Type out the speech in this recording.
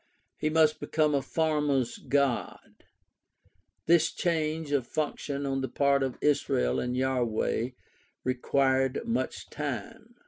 He must become a farmer's God. This change of function on the part of Israel and Yahweh required much time.